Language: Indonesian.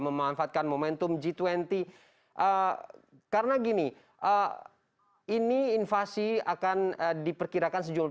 memanfaatkan momentum g dua puluh karena gini ini invasi akan diperkirakan sejumlah